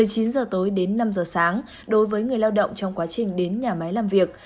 một mươi chín h tối đến năm h sáng đối với người lao động trong quá trình đến nhà máy làm việc